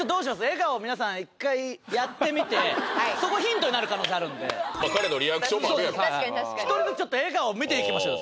笑顔皆さん一回やってみてそこヒントになる可能性あるんで彼のリアクションもあるやろ確かに確かに１人ずつちょっと笑顔見ていきましょうよ